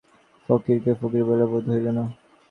গোবিন্দমাণিক্য চাহিয়া দেখিলেন, ফকিরকে ফকির বলিয়া বোধ হইল না।